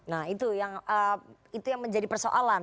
nah itu yang menjadi persoalan